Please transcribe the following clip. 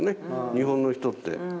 日本の人って。